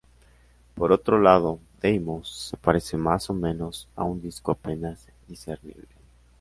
Por otro lado, Deimos se parece más o menos a un disco apenas discernible.